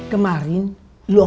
kamu amenitiesnya perbedaan